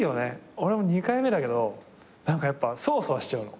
俺も２回目だけど何かやっぱそわそわしちゃうの。